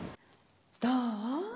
どう？